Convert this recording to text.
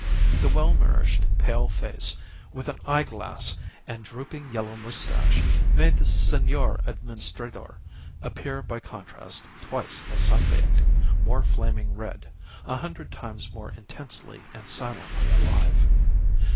The well nourished, pale face, with an eyeglass and drooping yellow moustache, made the Senor Administrador appear by contrast twice as sunbaked, more flaming red, a hundred times more intensely and silently alive.